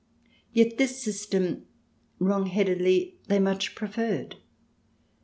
Yet this system, wrong headedly, they much preferred.